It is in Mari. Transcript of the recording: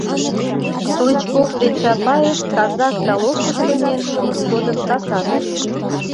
Клычков ден Чапаев Казак Таловкышко миен шумышт годым касат лие.